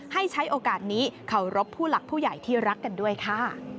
ให้ใช้โอกาสนี้เคารพผู้หลักผู้ใหญ่ที่รักกันด้วยค่ะ